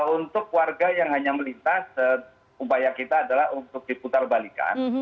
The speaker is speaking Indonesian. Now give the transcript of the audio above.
untuk warga yang hanya melintas upaya kita adalah untuk diputar balikan